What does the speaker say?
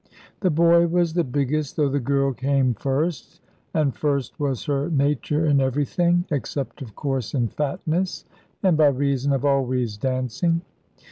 The boy was the biggest, though the girl came first; and first was her nature in everything, except, of course, in fatness, and by reason of always dancing.